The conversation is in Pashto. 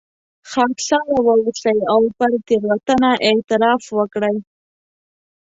خاکساره واوسئ او پر تېروتنه اعتراف وکړئ.